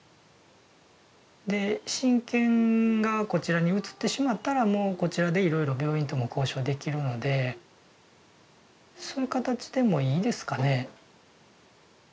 で親権がこちらに移ってしまったらもうこちらでいろいろ病院とも交渉できるのでそういう形でもいいですかね？